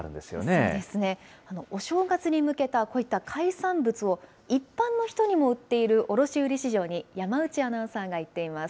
そうですね。お正月に向けた、こういった海産物を、一般の人にも売っている卸売市場に山内アナウンサーが行っています。